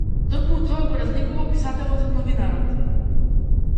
Токму тоа го разликува писателот од новинарот.